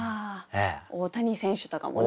大谷選手とかもね。